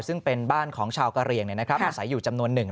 ซึ่งเป็นบ้านของชาวกะเรียงอาศัยอยู่จำนวนหนึ่ง